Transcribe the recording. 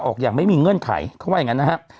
อย่างไม่มีเงื่อนไขเขาว่าอย่างนั้นนะครับ